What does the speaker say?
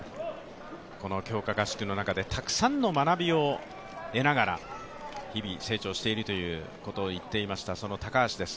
この強化合宿の中でたくさんの学びを得ながら、日々成長しているということを言っていました高橋です。